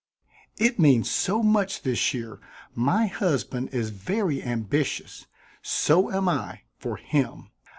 "It means so much this year. My husband is very ambitious. So am I for him.